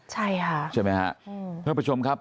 ใช่ฮะใช่มั้ยฮะเพื่อนประชมครับ